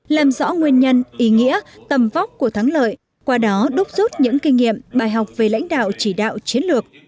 làm rõ nguyên nhân ý nghĩa tầm vóc của thắng lợi qua đó đúc rút những kinh nghiệm bài học về lãnh đạo chỉ đạo chiến lược